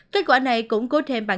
kết quả này cũng cố thêm bằng chứng